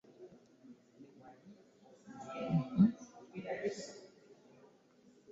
Abantu bangi bagenda gy'ali okufuna ebintu bye beetaaga.